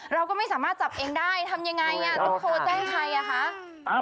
เราก็ไม่สามารถจับเองได้ทำยังไงต้องโทรแจ้งใครอ่ะคะ